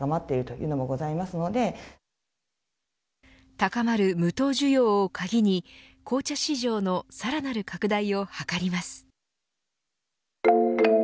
高まる無糖需要を鍵に紅茶市場のさらなる拡大を図ります。